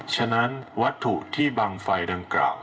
ฉะนั้นวัตถุที่บังไฟดังกล่าว